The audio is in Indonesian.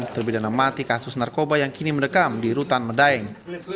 terpidana mati kasus narkoba yang kini mendekam di rutan medaeng